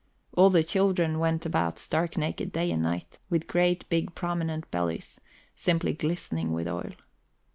All the children went about stark naked night and day, with great big prominent bellies simply glistening with oil.